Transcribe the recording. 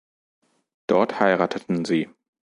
Dort heirateten sie.